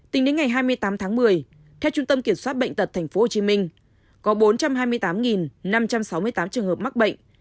tính đến ngày hai mươi tám tháng một mươi theo trung tâm kiểm soát bệnh tật tp hcm có bốn trăm hai mươi tám năm trăm sáu mươi tám trường hợp mắc bệnh